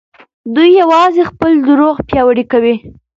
دوی يوازې خپل دروغ پياوړي کوي.